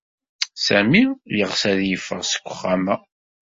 Sami yeɣs ad yeffeɣ seg uxxam-a.